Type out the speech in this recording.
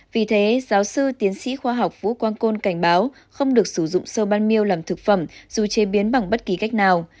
vì thế giáo sư tiến sĩ khoa học vũ quang côn cảnh báo không được sử dụng sơ ban mil làm thực phẩm dù chế biến bằng bất kỳ cách nào